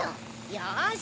よし！